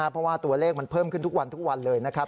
เพราะว่าตัวเลขมันเพิ่มขึ้นทุกวันทุกวันเลยนะครับ